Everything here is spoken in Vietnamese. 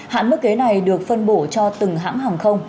hãng mức ghế này được phân bổ cho từng hãng hàng không